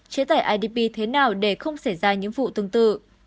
chế tải idp thế nào để không xảy ra những vụ tương tự